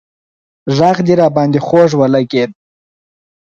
غږ دې راباندې خوږ ولگېد